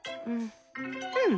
うん。